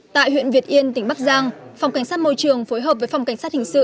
tại huyện việt yên tỉnh bắc giang phòng cảnh sát môi trường phối hợp với phòng cảnh sát hình sự